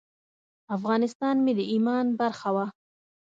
افغانستان مې د ایمان برخه وه.